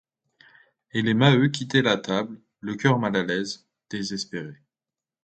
Et les Maheu quittaient la table, le coeur mal à l'aise, désespérés.